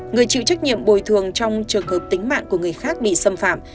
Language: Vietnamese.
người chịu trách nhiệm bồi thường trong trường hợp tính mạng của người khác bị xâm phạm